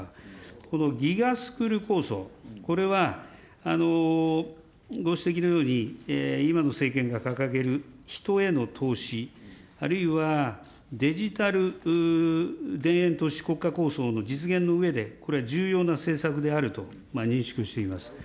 このＧＩＧＡスクール構想、これはご指摘のように、今の政権が掲げる人への投資、あるいはデジタル田園都市国家構想の実現のうえで、これ、重要な政策であると認識をしています。